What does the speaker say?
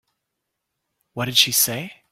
What did she say?